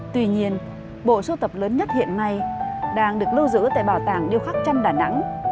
tuy nhiên bộ sưu tập lớn nhất hiện nay đang được lưu giữ tại bảo tàng điêu khắc trăm đà nẵng